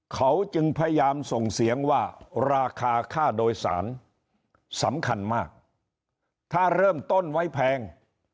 เขาจึงพยายามส่งเสียงว่าราคาค่าโดยสารสำคัญมากถ้าเริ่มต้นไว้แพง